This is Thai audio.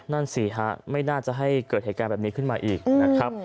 นั่นสิฮะไม่น่าจะให้เกิดเหตุการณ์แบบนี้ขึ้นมาอีกนะครับ